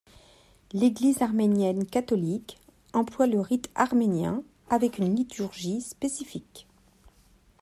L'Église arménienne catholique emploie le rite arménien avec une liturgie spécifique.